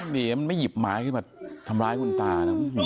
ดีมันไม่หยิบไม้ขึ้นมาทำร้ายคุณตานะ